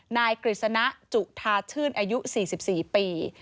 นายกฤษณะจุธาชื่นอายุ๔๔ปี